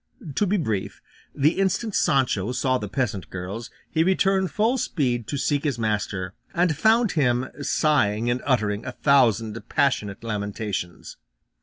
To be brief, the instant Sancho saw the peasant girls, he returned full speed to seek his master, and found him sighing and uttering a thousand passionate lamentations.